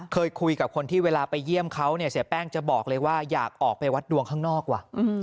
เคยคุยกับคนที่เวลาไปเยี่ยมเขาเนี่ยเสียแป้งจะบอกเลยว่าอยากออกไปวัดดวงข้างนอกว่ะ